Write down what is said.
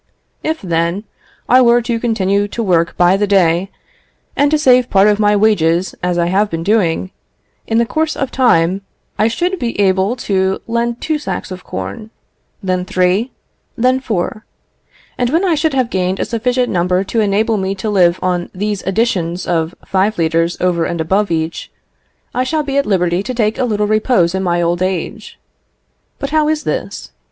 If, then, I were to continue to work by the day, and to save part of my wages, as I have been doing, in the course of time I should be able to lend two sacks of corn; then three; then four; and when I should have gained a sufficient number to enable me to live on these additions of five litres over and above each, I shall be at liberty to take a little repose in my old age. But how is this?